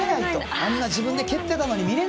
あんなに自分では蹴ってたのに。